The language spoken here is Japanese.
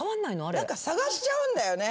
探しちゃうんだよね。